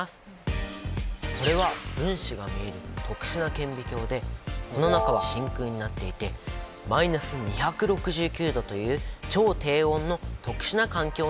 これは分子が見える特殊な顕微鏡でこの中は真空になっていて−２６９℃という超低温の特殊な環境になっています。